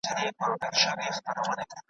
لا به تر څو د خپل ماشوم زړګي تسل کومه .